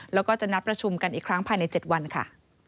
แล้วก็จะนัดประชุมกันอีกครั้งภายใน๗วันค่ะ